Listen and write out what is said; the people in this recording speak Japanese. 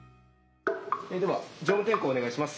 では乗務点呼をお願いします。